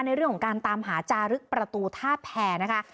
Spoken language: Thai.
ในเรื่องของการตามหาจารึกประตูท่าแพรนะคะ